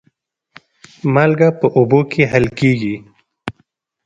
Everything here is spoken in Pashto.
مالګه په اوبو کې حل کېږي.